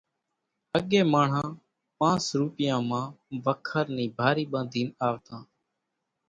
اڳيَ ماڻۿان پانس روپيان مان وکر نِي ڀارِي ٻاڌينَ آوتان۔